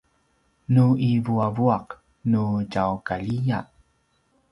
nu i vuavuaq nu tjaukaljiya